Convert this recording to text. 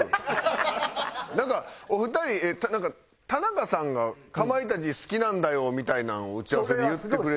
なんかお二人なんか田中さんがかまいたち好きなんだよみたいなんを打ち合わせで言って。